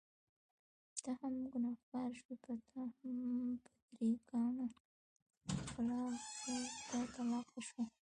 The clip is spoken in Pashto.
ته هم ګنهګار شوې، پرتا هم په درې کاڼو خپله عورته طلاقه شوه.